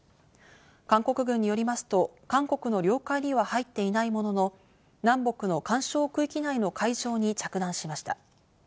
韓国軍によりますと韓国の領海には入っていないものの、南北の緩衝区域内の海上に着弾しました。